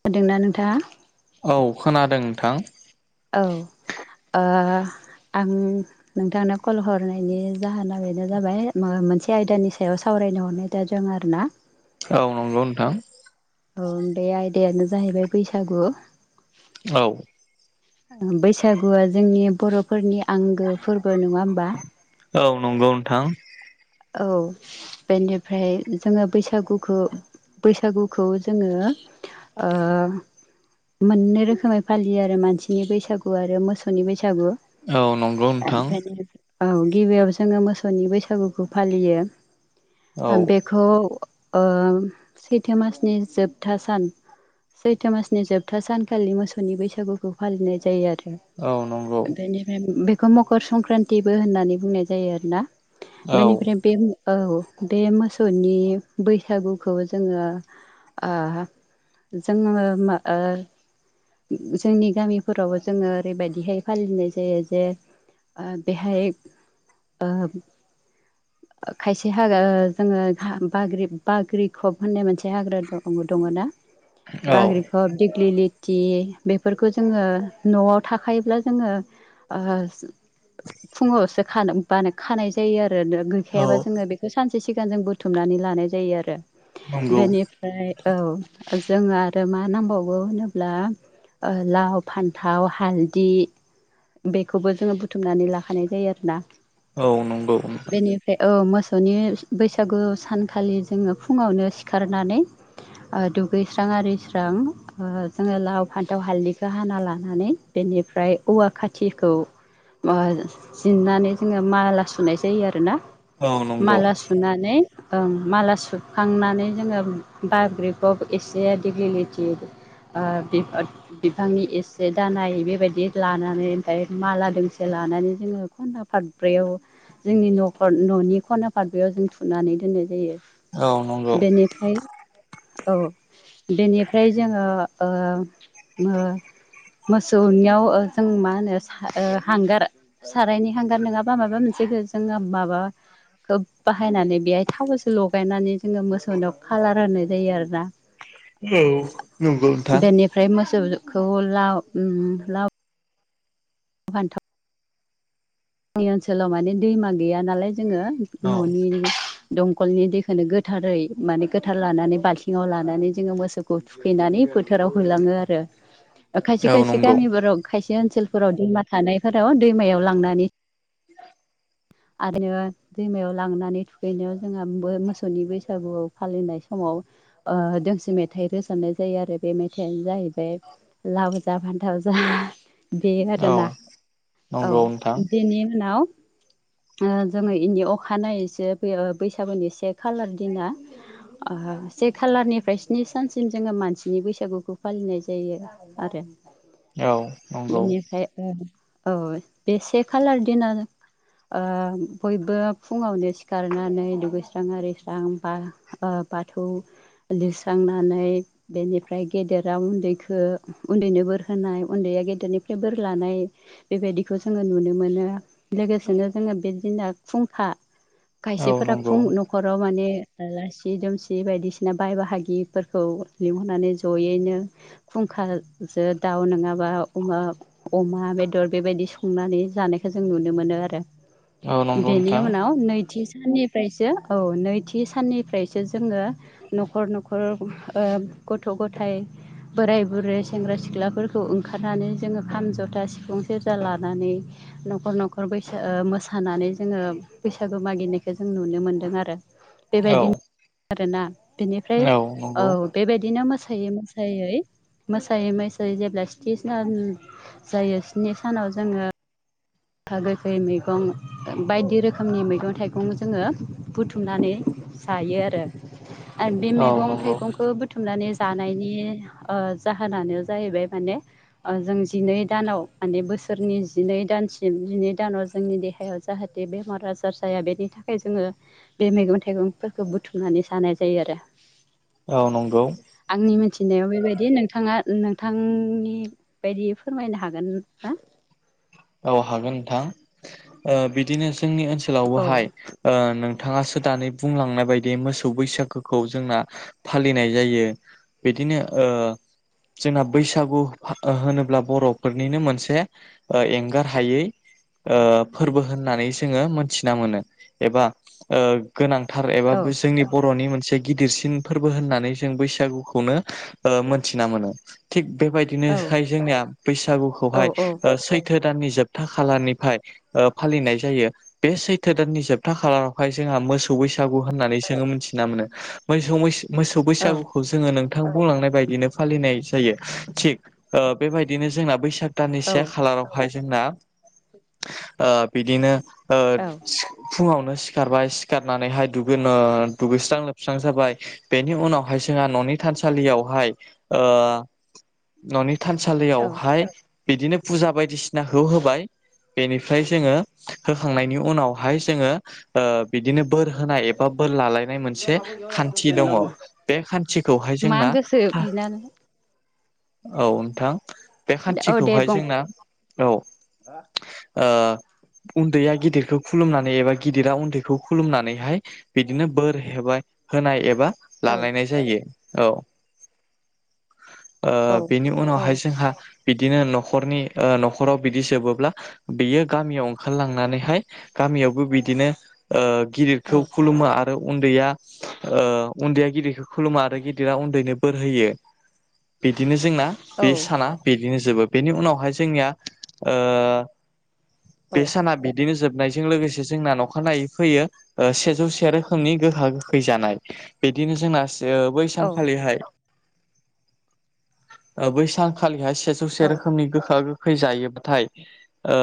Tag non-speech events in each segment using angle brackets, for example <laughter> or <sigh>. खोनादोंना नोंथाङा औ खोनादों नोंथां औ ओ आं नोंथांनो कल हरनायनि जाहोना बेनो जाबाय मोनसे आयदानि सायाव सावरायनाय रायनो हरनाय दा जों आरो ना औ नंगौ नोंथां औ बे आयदायानो जाहैबाय बैसागु औ बैसागुआ जोंनि बर'फोरनि आंगो फोरबो नङा होमबा औ नंगौ नोंथां औ बेनिफ्राय जोङो बैसागुखौ बैसागुखौ जोङो ओ मोननै रोखोमै फालियो आरो मानसिनि बैसागु आरो मोसौनि बैसागु औ नंगौ नोंथां सागु औ गिबियाव जोङो मोसौनि बैसागुखौ फालियो। औ बेखौ ओं सैथो मासनि जोबथा सान सैथो मासनि जोबथा सानखालि मोसौनि बैसागुखौ फालिनाय जायो आरो औ नंगौ बेनिफ्राय बेखौ मकर संक्रान्तिबो होननानै बुंनाय जायो आरोना औ बेनिफ्राय बे औ बे मोसौनि बैसागुखौ जोङो जोङो मा ओ जोंनि गामिफोरावबो जोङो ओरैबायदिहाय फालिनाय जायो जे ओ बेहाय ओ <inaudible> खायसे हागा जोङो हा बाग्रि बाग्रि खब होननाय मोनसे हाग्रां द-दङ ना औ बाग्रिखब दिगलिलि थि बेफोरखौ जोङो न'आव थाखायोब्ला जोङो ओ फुङावसो बानो बा खानाय जायो आरो। आरो गैखायाबा औ जोङो बेखौ सानसे सिगां जों बुथुमनानै लानाय जायो आरो नंगौ बेनिफ्राय औ जोङो आरो मा नांबावगौ होनोब्ला ओ लाव फान्थाव हालदि बेखौबो जोङो बुथुमनानै लाखानाय जायो आरोना। औ नंगौ- बेनिफ्राय औ मोस नि बैसागु सानखालि जोङो फुङावनो सिखारनानै ओ दुगैस्रां आरि स्रां ओ जोङो लाव फान्थाव हाल्दैखौ हाना लानानै बे बेनिफ्राय औवा खाथिखौ ओ जिन्नानै जोङो माला सुनाय जायो आरोना औ नंगौ माला सुनानै ओ माला सुखांनानै जोङो बाग्रिकब एसे दिगलिलिथि ओ बिफांनि एसे दालाय लाना बेबायदि लानानै ओमफ्राय माला दोंसे ला लानानै जोङो खुन्था फाथब्रैयाव जोंनि न'खर न'नि खना फारब्रैयाव जों थुनानै दोन्नाय जायो। औ नंगौ बेनिफ्राय औ बेनिफ्राय जोङो ओ मो मोसौनियाव ओ जों मा होनो ओ हांगार सारायनि हांगार नङाबा माबा मोनसे जोंहा माबा खोब बाहायनानै बेहाय थावसो लगायनानै जोङो मोसौनिाव खालार होनाय जायो आरो ना औ नंगौ नोंथां बेनिफ्राय मोसौखौ लाउ ओम लाउ बान्थ जोंनि ओनसोलाव माने दैमा गैया नालाय औ जोङो न'नि दंखलनि दैखोनो गोथारै माने गोथार लानानै बाल्थिङाव लानानै जोङो मोसौखौ थुखैनानै फो थाराव होलाङो आरो खायसे औ खायसे नंगौ गामिफोराव खायसे ओनसोल फोराव दैमा थानायफोराव दैमायाव लांनानै आरो दैमायाव लांनानै थुखैनो जोंहा मोसौनि बैसागुआव फालिनाय समाव ओ दोंसे मेथाइ रोजाबनाय जायो आरो बे मेथाइानो जाहैबाय लाव जा फान्थाव जा बेयो औ आरोना औ। नंगौ नोंथां <unintelligible> ओ जोङो इनि अखानायैसो बैसागुनि से खालार दिना ओ से खालारनिफ्राय स्नि सानसिम जोङो मानसिनि बैसागुखौ फालिनाय जायो। आरो औ नंगौ बेनिफ्राय औ औ बे से खालार दिना ओ बयबो फुङावनो सिखारनानै दुगैस्रां आरिस्रां बा ओ बाथौ लिरस्रांनानै बेनिफ्राय गेदेराव उन्दैखौ उन्दैनो बोरहोनाय उन्दै गनि ब ल बेबाय ज नुनो मोनो लोगोसेनो जोङो बेदिना खुंखा औ खायसेफोरा नंगौ फुं न'खराव माने आलासि दुमसि बायदिसिना बाय बाहागिफोरखौ लिंहरनानै जयैनो फुं अखाजो दाउ नङाबा अमा अमा बेदर बेबायदि संनानै जनोनि औ नंगौ नोंथां उाव साननिफ्रायसो औ नैथि साननिफ्रायसो जोङो न'खर न'खर गथ' गथायाइ बोराय बुरै सेंग्रा सिख्लाफोरखौ ओंखारनानै जोङो खाम जथा सिफुं सेरजा लानानै नखर न'खर बैसाग मोसानानै जोङो बैसागो मागिनायखौ जों नुनो मोन्दों आरो। औ बेबायदिनो आरोना बेनिफ्राय औ बेबायदिनो मोसौ ायो मा सायो मोसायै मोसायै जेब्ला स्नि सान जायो स्नि सानाव जोङो गोखा गोखै मैगं बायदि रोखोमनि मैगं थाइगं जोङो बुथुमनानै जायो आरो आरो बे औ मैगं नंगौ थाइगंखौ बुथुमनानै जानायनि ओ जाहोनानो जाहैबाय माने ओ जों जिनै दानाव माने बोसोरनि जिनै दानसि म निदानाव जोंनि देहायाव जाहाथे बेमार आजार जाया बेनि थाखाय जोङो बे मैगं थाइगं फोरखौ बुथुमनानै जानाय जायो आरो। औ नंगौ। फिनायाव बेबायदि नोंथाङा नोंथांनि बायदि फोरमायनो हागोन ना? औ हागोन नोंथां। ओ बिदिनो जोंनि औ ओनसोलावबोहाय ओ नों थाङासो दानै बुंलांनाय बायदि मोसौ बैसागोखौ जोंना फालिनाय जायो। बे दिनो ओ जोंना बैसागु होनोब्ला बर'फोरनिनो मोनसे ओ एं गारहायै ओ फोर्बो होननानै जोङो मोन्थिना मोनो। एबा गोनां थार औ एबाबो जोंनि बर'नि मोन से गिदिरसिन फोर्बो होननानै जों बैसागुखौनो ओ मोन्थिना मोनो। थिग बेबायदिनोहाय औ जोंनिया बैसागुखौहाय औ ओ सै थो दाननि जोबथा खालारनिफ्राय ओ फालिनाय जायो। बे सैथो दाननि जोबथा खालारावहाय जोंहा मोसौ बैसागु होननानै जोङो मिन्थिना मोनो। मोसौ मैसो मोसौ औ बैसागुखौ जोङो नोंथां बुंलांनाय बायदिनो फालिनाय जायो। थिग ओ बेबायदिनो जोंना बैसाग दाननि से औ खालाराव हाय जोंना ओ बिदिनो ओ औ फुंआवनो सिखारबाय सिखारनानैहाय दुगै ओ दुगैस्रां लोबस्रां जाबाय बेनि उनावहाय जोंहा न'नि था सालियावहाय ओ ननि औ थानसालियावहाय बिदिनो फुजा बायदिसिनाखौ होबाय बेनिफ्राय जोङो होखांनायनि उनावहाय जोङो बिदिनो बोर होनाय एबा बोर लालायनाय मोनसे खान्थि दङ। बे खान्थिखौहाय मा जोंना गोसो बिनानै औ नोंथां बे औ दे खान्थिखौहाय बुं जोंना औ ओ उन्दैया गिदिरखौ खुलुमना नै एबा गिदिरा उन्दैखौ खुलुमनानैहाय बिदिनो बोर हेबा होनाय एबा औ लालायनाय जायो औ। ओ औ बेनि औ उनावहाय जोंहा बिदिनो न'खरनि ओ न'खराव बिदि जोबोब्ला बियो गामियाव ओंखारलांनानैहाय गामियावबो बिदिनो ओ औ गिदिरखौ खुलुमो आरो उन्दैया ओ उन्दैया गिदिरखौ खुलुमा आरो गिदिरा उन्दैनो बोर होयो। बिदिनो जोंना औ बे साना बिदिनो जोबो। बेनि उनावहाय जोंनिया ओ औ बे साना बिदिनो जोब नायजों लोगोसे जोंना अखानायै फैयो ओ सेजौ से रोखोमनि गोखा गोखै जानाय। बिदिनो जोंना ओ औ बैसानखालिहाय ओ बैसानखालिहाय सेजौसे औ रोखोमनि गोखा गोखै जायोबाथाय ओ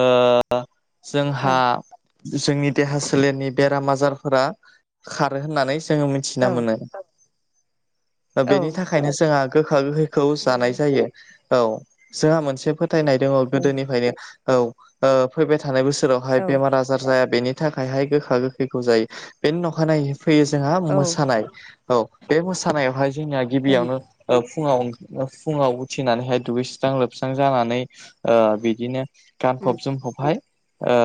जोंहा जोंनि देहा सोलेरनि बेराम आजारफोरा खारो होननानै जोङो मिथिना ओं मोनो। ओ औ बेनि थाखायनो जोंहा गोखा गोखैखौ नंगौ जानाय जायो। औ जोंहा मोनसे फोथायनाय दङ औ गोदोनिफ्रायनो औ ओ फैबाय थानाय बोसो रावहाय औ बेमार आजार जाया बेनि थाखायहाय गोखा गोखैखौ जायो। बेनि अखानायै फैयो जोंहा ओं मोसानाय औ बे मोसानायावहाय जोंनिया ओम गिबियावनो ओ फुङाव फुङाव उथिनानैहाय दुगैस्रां लोबस्रां जानानै ओ बिदिनो गानफब जोमफबहाय ओ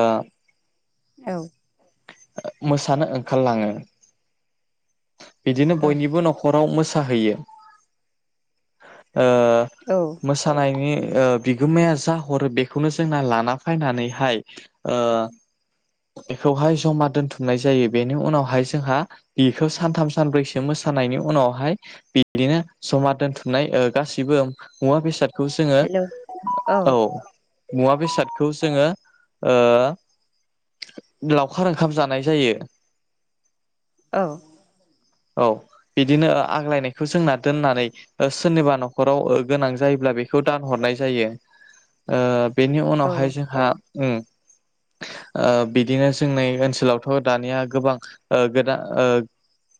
औ मोसानो ओंखारलाङो बिदिनो बयनिबो न'खराव मोसा मोसाहैयो ओ औ मोसानायनि ओ बिगोमाया जा हरो बेखौनो जोंना लाना फानानैहाय बेखौहाय जमा दोनथुमनाय जायो बेनि उनावहाय जोंहा बेखौ सानथाम सानब्रैसो मो सानायनि उनावहाय बिदिनो जमा दोनथुमनाय गासिबो मुवा बेसाद बे खौ जोङो हेलौ औ मुवा बेसादखौ जोङो लावखार ओंखाम जानाय जायो। औ। औ बिदिनो आग्लायनायखौ जोंना दोननानै सोरनिबा न'खराव गोनां जायोब्ला बेखौ दानहरनाय जायो ओ बेनि औ उनावहाय जोंहा बिदिनो जोंनि ओनसोलावथ' दानिया गोबां ओ गोदान ओ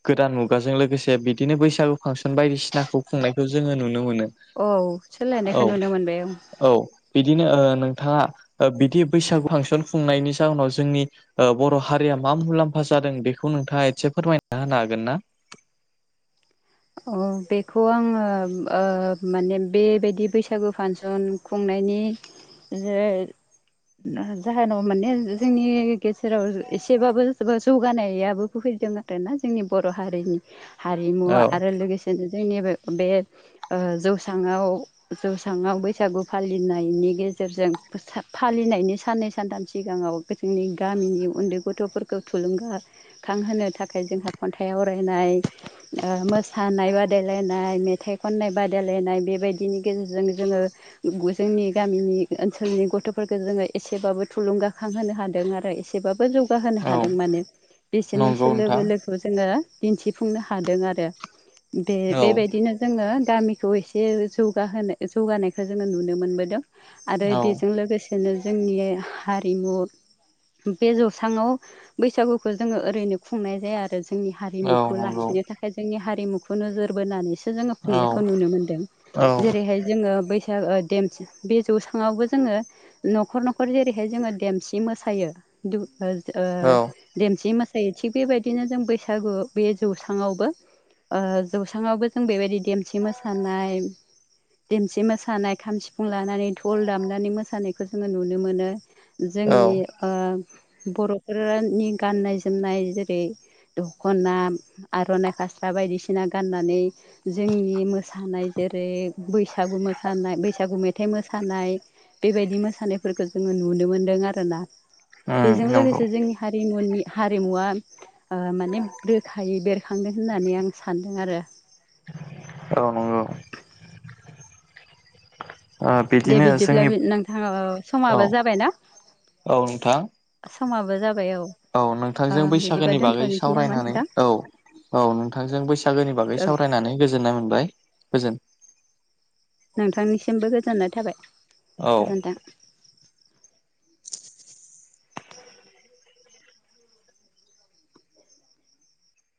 गोदान मुगाजों लोगोसे बिदिनो बैसागु फांसन बायदिसिनाखौ खुंनायखौ जोङो नुनो मोनो। औ औ सोलायनायखौ नुनो मोनबाय ओं। औ बिदिनो ओ नोंथाङा ओ बिदि बैसागु फांसन खुंनायनि जाहोनाव जोंनि ओ बर' हारिया मा मुलाम्फा जादों बेखौ नोंथाङा एसे फोरमायना होनो हागोन ना। अ बेखौ आङो ओ माने बेबायदि बैसागु फांसन खुं नायनि <unintelligible> जा जाहोनाव माने जोंनि गेजेराव एसेबाबो जौगानायाबो फै फैदों आरोना जोंनि बर' हारिनि औ हारिमुवा लोगोसेनो जोंनि बे-बे जौसाङाव-जौसाङाव बैसागु फालिनाय नायनि गेजेरजों फालिनायनि साननै सानथाम सिगाङाव जोंनि गामिनि उन्दै गथ'फोरखौ थुलुंगाखां होनो थाखाय जोंहा खन्थाइ आवरायनाय ओ मोस सानाय बादायलायनाय मेथाइ खननाय बादायलायनाय बेबायदिनि गेजेरजों जोङो <unintelligible> जोंनि गामिनि ओनसोलनि गथ'फोरखौ जोङो एसेबाबो थुलुंगाखां होनोनो हादों आरो एसेबाबो बो जौगाहोनो औ हादों माने बिसोरनि नंगौ सोलो नोंथां बोलोखौ जोङो दिन्थिफुंनो हादों आरो बे औ बेबायदिनो जोङो गामिखौ एसे जौगाहोनो जौगानायखौ जोङो नुनो मोनबोदों। आरो बेजों लोगोसेनो जोंनि हारिमु बे जौसाङाव बैसागुखौ जोङो ओरैनो खुंनाय जाया आरो जोंनि औ हारिमुखौ नंगौ लाखिनो थाखाय जोंनि हारिमुखौ नोजोर बोनानै जोङो औ खुंनायखौ नुनो मोनदों। औ जेरैहाय जोङो बै ओ देमसि बे जौसाङावबो जोङो न'खर-न'खर जेरैहाय जोङो देमसि मोसायो दु ओ ओ देमसि मोसायो थिग बेबायदिनो जों बैसागु बे जौस्रांआवबो ओ जौस्राङावबो जों बेबायदि देमसि मोसानाय देमसि मोसानाय खाम सि फुं लानानै धल दामनानै मोसानायखौ जोङो नुनो मोनो। औ जोंनि ओ बर'फोरनि गाननाय जोमनाय जेरै दख'ना आर'नाइ फास बायदिसिना गाननानै जोंनि मोसानाय जेरै बैसागु मोसानाय बैसागु मेथ थाइ मोसानाय बेबायदि मोसानायफोरखौ जोङो नुनो मोन्दों आरोना उम बेजों नंगौ लोगोसे जोंनि हारिमुनि हारिमुवा ओ माने रोखायै बेरखां होननानै आं सान्दों आरो। औ नंगौ। ओ दे बिदिनो बिदिब्ला जोंनि नोंथाङा ओ औ समाबो जाबायना। औ नोंथां समाबो जाब औ नोंथांजों बैसागोनि बागै दोनथ'नोसै नामा सावरायनानै नोंथां औ। औ नोंथांजों बैसागोनि बागै सावरायनानै गोजोननाय मोनबाय गोजोन। नोंथांनिसिमबो गोजोननाय थाबाय औ गोजोन्थों।